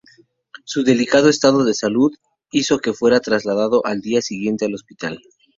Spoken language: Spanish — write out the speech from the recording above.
Su delicado estado de salud hizo que fuera trasladado al día siguiente al Hospital.